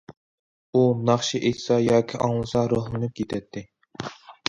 ئۇ ناخشا ئېيتسا ياكى ئاڭلىسا روھلىنىپ كېتەتتى.